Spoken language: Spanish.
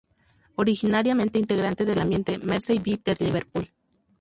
Originariamente integrante del ambiente Mersey-Beat de Liverpool.